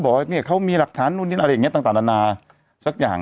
บอกว่าเนี่ยเขามีหลักฐานนู่นนี่อะไรอย่างนี้ต่างนานาสักอย่าง